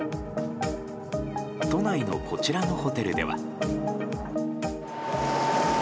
都内のこちらのホテルでは。